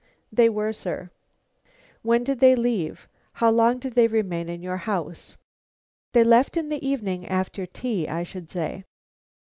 "They were, sir." "When did they leave? How long did they remain in your house?" "They left in the evening; after tea, I should say."